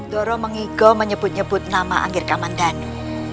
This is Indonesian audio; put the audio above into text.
doro mengigau menyebut nyebut nama anggir kamandano